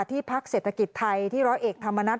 พักเศรษฐกิจไทยที่ร้อยเอกธรรมนัฐ